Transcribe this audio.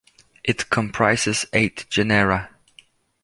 It comprises eight genera.